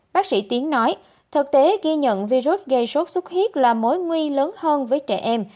bác sĩ tiến nói thực tế ghi nhận virus gây sốt xuất huyết là mối nguy lớn hơn với trẻ em